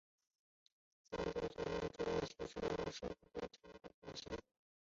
三部作品是以倒叙的方式讲述整个系列。